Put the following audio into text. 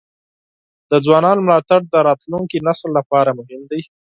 د ځوانانو ملاتړ د راتلونکي نسل لپاره مهم دی.